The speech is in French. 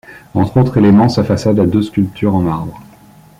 Entre autres éléments, sa façade a deux sculptures en marbre.